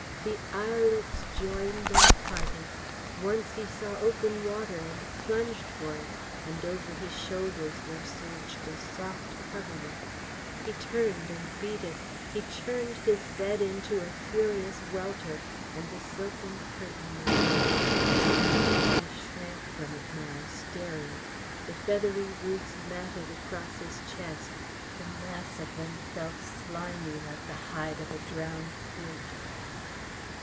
The islets joined and parted; once he saw open water and plunged for it and over his shoulders there surged a soft coverlet. He turned and beat it; he churned his bed into a furious welter, and the silken curtain lowered. He shrank from it now, staring. The feathery roots matted across his chest, the mass of them felt slimy like the hide of a drowned brute.